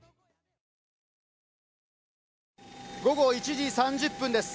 午後１時３０分です。